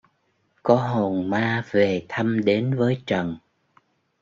có hồn ma về thăm đến với Trần